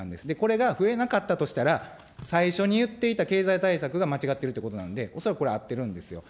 これが増えなかったとしたら、最初に言っていた経済対策が間違っているということなんで、恐らくこれ、合ってるんですよ。